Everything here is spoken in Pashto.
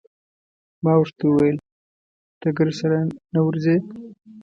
ما ورته وویل: ته ګرد سره نه ورځې؟